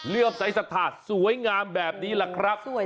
เลือบใส่สถาดสวยงามแบบนี้แหละครับสวยจัง